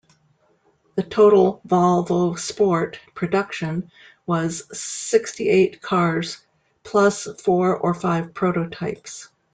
The total "Volvo Sport" production was sixty-eight cars, plus four or five prototypes.